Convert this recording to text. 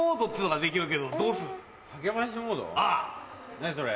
何それ？